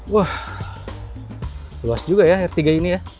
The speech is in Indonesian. wah luas juga ya r tiga ini ya